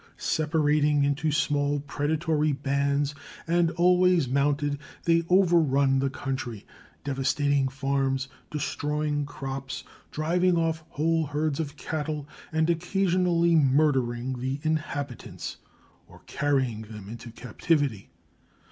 Separating into small predatory bands, and always mounted, they overrun the country, devastating farms, destroying crops, driving off whole herds of cattle, and occasionally murdering the inhabitants or carrying them into captivity.